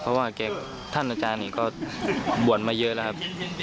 เพราะว่าท่านอาจารย์นี่ก็บวชมาเยอะแล้วครับ